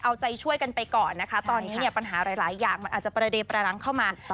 เอาใจช่วยกันไปก่อนนะคะตอนนี้เนี่ยปัญหาหลายอย่างมันอาจจะประเด็นประดังเข้ามา